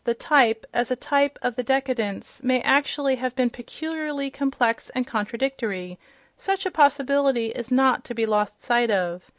In the last analysis, the type, as a type of the décadence, may actually have been peculiarly complex and contradictory: such a possibility is not to be lost sight of.